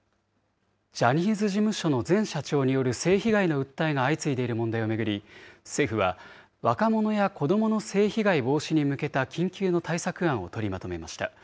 ジャニーズ事務所の前社長による性被害の訴えが相次いでいる問題を巡り、政府は、若者や子どもの性被害防止に向けた緊急の対策案を取りまとめました。